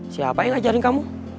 siapa yang ajarin kamu